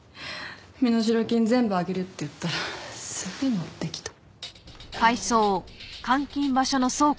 身代金全部あげるって言ったらすぐのってきた。